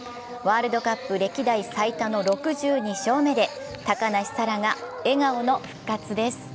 ワールドカップ歴代最多の６２勝目で高梨沙羅が笑顔の復活です。